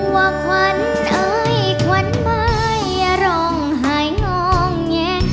ว่าขวัญไทยขวัญไปร้องหายงองแย่